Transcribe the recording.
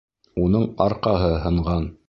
Уның арҡаһы һынған.